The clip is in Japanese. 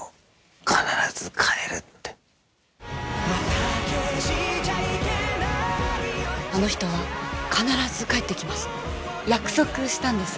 必ず帰るってあの人は必ず帰ってきます約束したんです